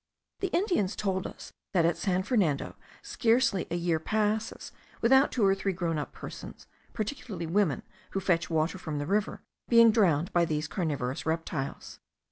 The Indians told us, that at San Fernando scarcely a year passes, without two or three grown up persons, particularly women who fetch water from the river, being drowned by these carnivorous reptiles.